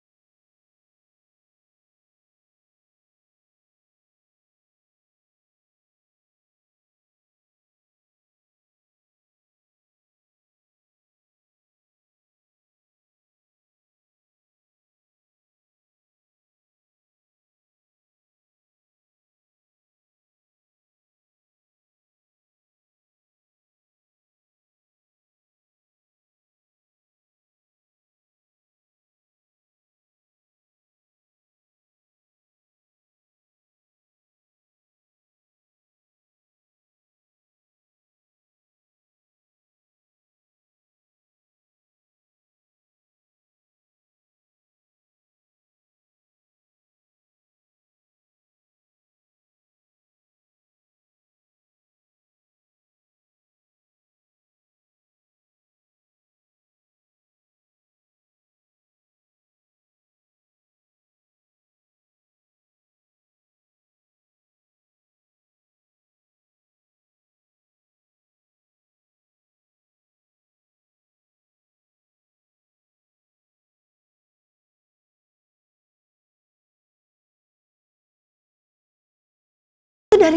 tak mungkin susah